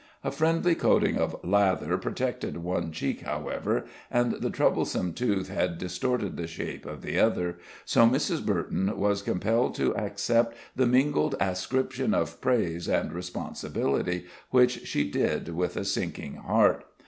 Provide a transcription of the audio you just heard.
A friendly coating of lather protected one cheek, however, and the troublesome tooth had distorted the shape of the other, so Mrs. Burton was compelled to accept the mingled ascription of praise and responsibility, which she did with a sinking heart.